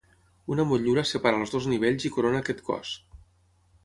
Una motllura separa els dos nivells i corona aquest cos.